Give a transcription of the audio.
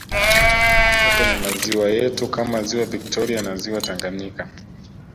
Pia kwenye maziwa yetu kama Ziwa viktoria na ziwa Tanganyika